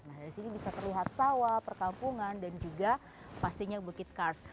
nah dari sini bisa terlihat sawah perkampungan dan juga pastinya bukit kars